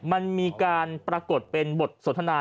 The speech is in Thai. มันมีการปรากฏเป็นบทสนทนา